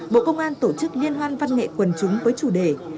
bộ công an tổ chức liên hoan văn nghệ quần chúng với chủ đề